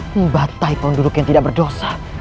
membatai penduduk yang tidak berdosa